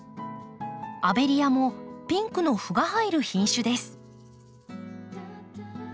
アベリアもピンクの斑が入る品種です。